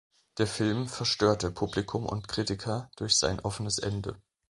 Der Film verstörte Publikum und Kritiker durch sein offenes Ende.